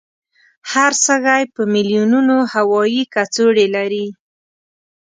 هر سږی په میلونونو هوایي کڅوړې لري.